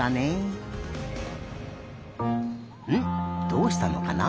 どうしたのかな？